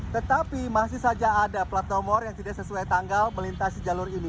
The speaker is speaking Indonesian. tetapi masih saja ada plat nomor yang tidak sesuai tanggal melintasi jalur ini